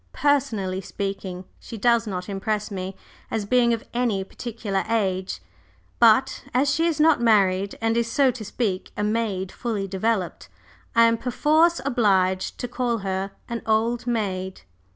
Personally speaking, she does not impress me as being of any particular age, but as she is not married, and is, so to speak, a maid fully developed, I am perforce obliged to call her an old maid."